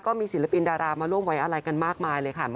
มีศิลปินดารามาร่วมไว้อะไรกันมากมายเลยค่ะ